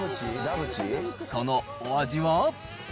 そのお味は？